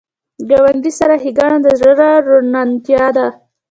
ګاونډي سره ښېګڼه د زړه روڼتیا ده